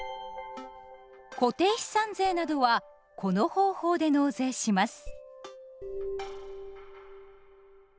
固定資産税などはこの方法で納税します。